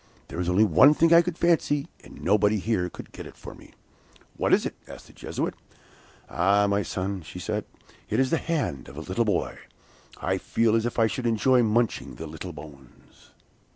There is only one thing I could fancy, and nobody here could get it for me.' 'What is it?' asked the Jesuit. 'Ah! my son,' said she, 'it is the hand of a little boy! I feel as if I should enjoy munching the little bones!